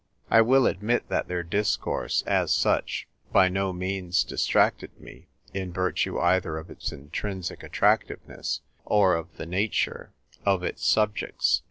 I will admit that their discourse, as such, by no means dis tracted me, in virtue either of its intrinsic attractiveness or of the nature of its subjects.